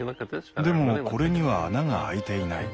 でもこれには穴が開いていない。